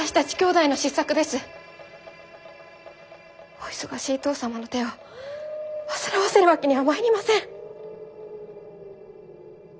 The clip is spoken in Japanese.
お忙しい父さまの手を煩わせるわけにはまいりません。